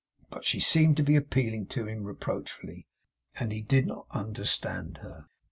But she seemed to be appealing to him reproachfully, and he did not understand her.